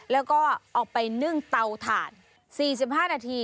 แล้วก็ออกไปนึ่งเตาถ่าน๔๕นาที